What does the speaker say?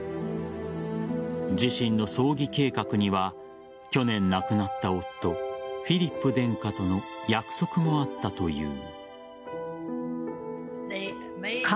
自身の葬儀計画には去年亡くなった夫・フィリップ殿下との約束もあったという。